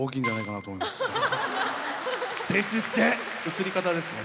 写り方ですね。